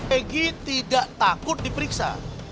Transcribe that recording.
egy tidak takut diperiksa